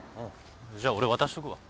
じゃ俺渡しとくわ。